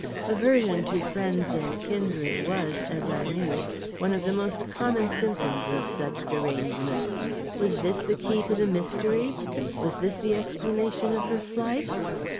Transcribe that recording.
Aversion to friends and kindred was, as I knew, one of the most common symptoms of such derangement. Was this the key to the mystery? Was this the explanation of her flight?